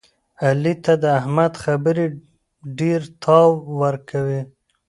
علي ته د احمد خبرې ډېرتاو ورکوي.